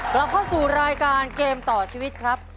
กลับเข้าสู่รายการเกมต่อชีวิตครับ